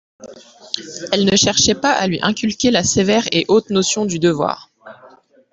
Elle ne cherchait pas à lui inculquer la sévère et haute notion du devoir.